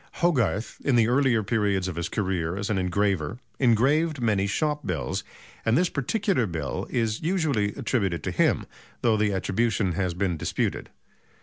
Hogarth in the earlier period of his career as an engraver engraved many shop bills, and this particular bill is usually attributed to him, though the attribution has been disputed.